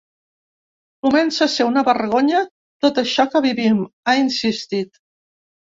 “Comença a ser una vergonya tot això que vivim”, ha insistit.